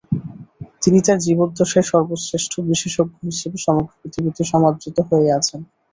তিনি তার জীবদ্দশায় সর্বশ্রেষ্ঠ বিশেষজ্ঞ হিসেবে সমগ্র পৃথিবীতে সমাদৃত হয়ে আছেন।